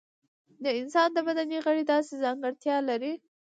د انسان د بدن غړي داسې ځانګړتیا لري.